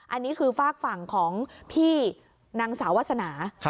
อันนี้คือฝากฝั่งของพี่นางสาววาสนา